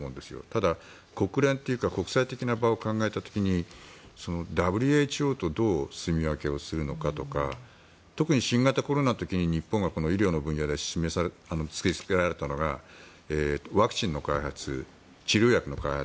ただ、国連というか国際的な場を考えた時にＷＨＯと、どうすみ分けをするのかとか特に新型コロナの時に日本が医療の分野で突きつけられたのがワクチンの開発、治療薬の開発